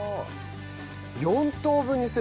４等分にする。